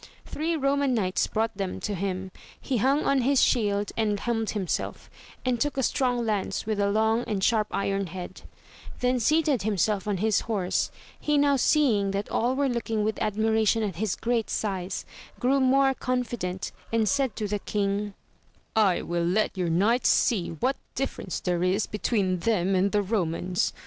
Three Roman knights brought them to him; he hung on his shield and helmed himself, and took a strong lance with a long and sharp iron head; then seated himself on his horse ; he now seeing that all were looking with admiration at his great size, grew more confident, and said to the king, I will let your knights see what difference there is between them and the Eomans.